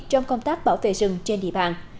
trong công tác bảo vệ rừng trên địa bàn